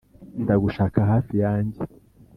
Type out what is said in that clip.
ndagushaka hafi yanjye